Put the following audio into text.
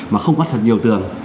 mà không có thật nhiều tường